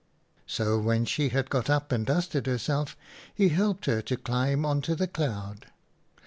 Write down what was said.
" So when she had got up and dusted her self, he helped her to climb on to the cloud.